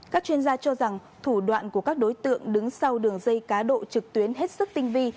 các chuyên gia cho rằng thủ đoạn của các đối tượng đứng sau đường dây cá độ trực tuyến hết sức tinh vi